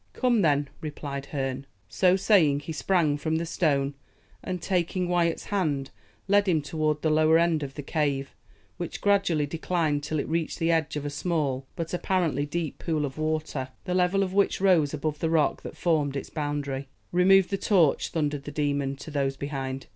"Come, then!" replied Herne. So saying, he sprang from the stone, and, taking Wyat's hand, led him towards the lower end of the cave, which gradually declined till it reached the edge of a small but apparently deep pool of water, the level of which rose above the rock that formed its boundary. "Remove the torch!" thundered the demon to those behind.